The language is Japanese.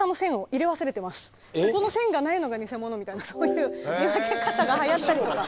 ここの線がないのが偽者みたいなそういう見分け方がはやったりとか。